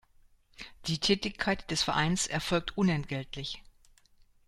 Die Tätigkeit des Vereins erfolgt unentgeltlich.